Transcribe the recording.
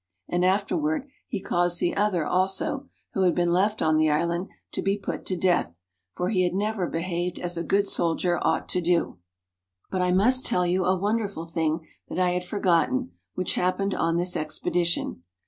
And afterward he caused the other also, who had been left on the island, to be put to death, for he had never behaved as a good soldier ought to do. But I must tell you a wonderful thing that I had forgot ten, which happened on this expedition.